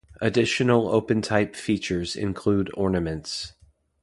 Additional OpenType features include ornaments.